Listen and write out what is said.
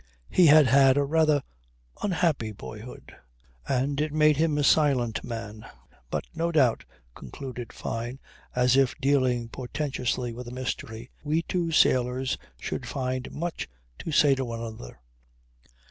He had had a rather unhappy boyhood; and it made him a silent man. But no doubt, concluded Fyne, as if dealing portentously with a mystery, we two sailors should find much to say to one another.